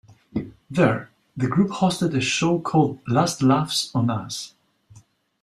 There, the group hosted a show called "Last Laughs on Us".